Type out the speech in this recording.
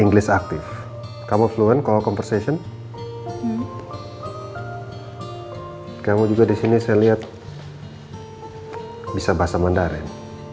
english active kamu fluent kalau conversation kamu juga disini saya lihat bisa bahasa mandarin